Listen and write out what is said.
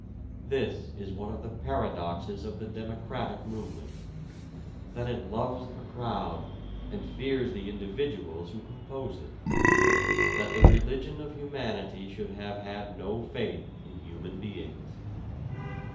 This is one of the paradoxes of the democratic movement that it loves a crowd and fears the individuals who compose it that the religion of humanity should have had no faith in human beings.